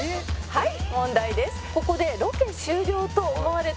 はい。